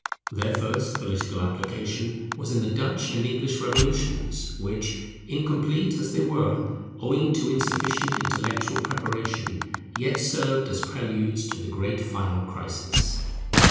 Their first political application was in the Dutch and English revolutions, which, incomplete as they were, owing to insufficient intellectual preparation, yet served as preludes to the great final crisis.